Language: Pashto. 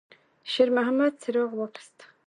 شېرمحمد څراغ واخیست.